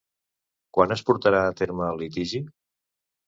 Quan es portarà a terme el litigi?